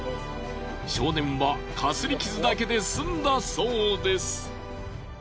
少年はかすり傷だけで済んだそうです。